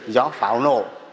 gió pháo nổ